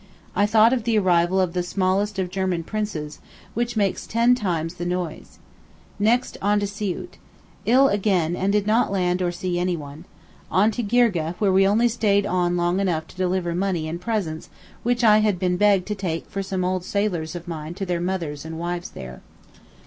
I thought of the arrival of the smallest of German princes, which makes ten times the noise. Next on to Siout. Ill again, and did not land or see anyone. On to Girgeh, where we only stayed long enough to deliver money and presents which I had been begged to take for some old sailors of mine to their mothers and wives there.